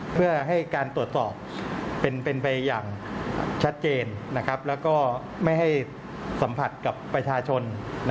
เพื่อให้การตรวจสอบเป็นไปอย่างชัดเจนแล้วก็ไม่ให้สัมผัสกับประชาชน